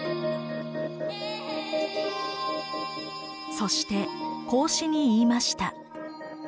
そして孔子に言いました。